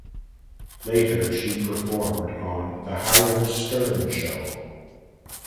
Later she performed on "The Howard Stern Show".